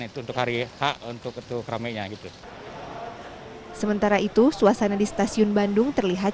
itu untuk hari hak untuk ketuk rame nya gitu sementara itu suasana di stasiun bandung terlihat